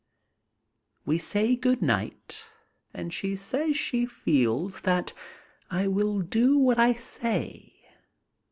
We say "Good night," and she says she feels that I will do what I say.